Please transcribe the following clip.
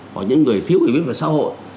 hoặc những người thiếu hiểu biết về xã hội